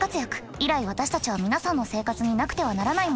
以来私たちは皆さんの生活になくてはならないものでした。